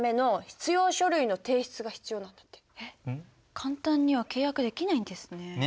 簡単には契約できないんですね。